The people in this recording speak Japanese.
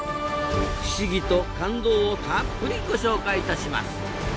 不思議と感動をたっぷりご紹介いたします。